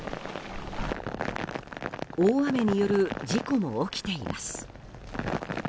大雨による事故も起きています。